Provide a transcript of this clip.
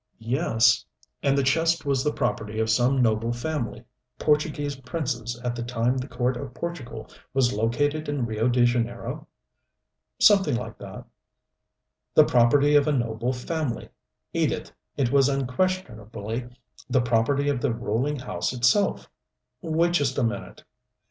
"Yes " "And the chest was the property of some noble family, Portuguese princes at the time the court of Portugal was located in Rio de Janeiro?" "Something like that " "The property of a noble family! Edith, it was unquestionably the property of the ruling house itself. Wait just a minute."